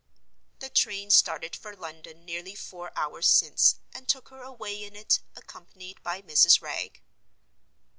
The train started for London nearly four hours since, and took her away in it, accompanied by Mrs. Wragge.